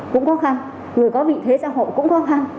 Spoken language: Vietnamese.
cũng khó khăn người có vị thế xã hội cũng khó khăn